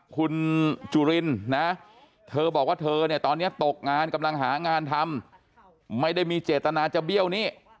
คุณจุลินนะเธอบอกว่าเธอเนี่ยตอนนี้ตกงานกำลังหางานทำไม่ได้มีเจตนาจะเบี้ยวหนี้